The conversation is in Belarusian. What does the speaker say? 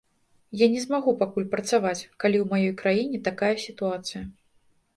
Я не змагу пакуль працаваць, калі ў маёй краіне такая сітуацыя.